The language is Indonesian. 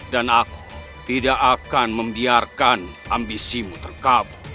dan aku tidak akan membiarkan ambisimu terkabur